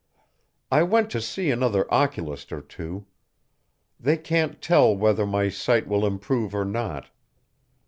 I went to see another oculist or two. They can't tell whether my sight will improve or not.